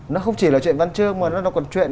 nó không chỉ là chuyện văn chương mà nó còn chuyện